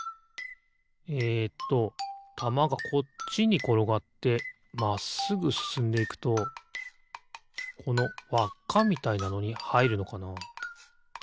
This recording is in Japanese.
えっとたまがこっちにころがってまっすぐすすんでいくとこのわっかみたいなのにはいるのかな？